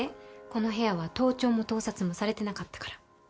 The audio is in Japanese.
この部屋は盗聴も盗撮もされてなかったから。